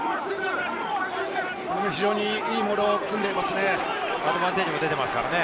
非常にいいモールを組んでいますね。